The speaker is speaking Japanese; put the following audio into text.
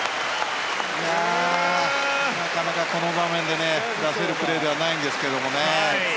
なかなか、この場面で出せるプレーではないんですけれどもね。